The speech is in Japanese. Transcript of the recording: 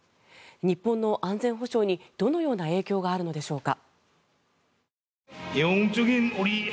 日本の安全保障にどのような影響があるのでしょうか。